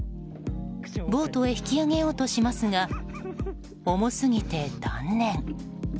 ボートへ引き上げようとしますが重すぎて断念。